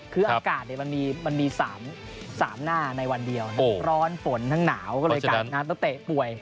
คืออาการมันมี๓หน้าในวันเดียวร้อนฝนน้ำเตะป่วย